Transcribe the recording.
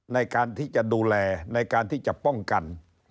ในการที่จะดูแลในการที่จะป้องกัน